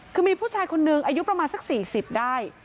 คือมีผู้ชายคนนึงอายุประมาณสัก๔๐ได้